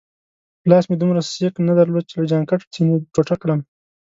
په لاس مې دومره سېک نه درلود چي له جانکټ ځینې ټوټه کړم.